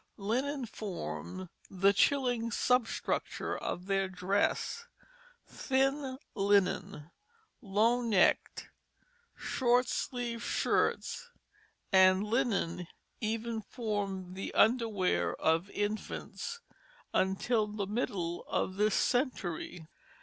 Linen formed the chilling substructure of their dress, thin linen, low necked, short sleeved shirts; and linen even formed the underwear of infants until the middle of this century.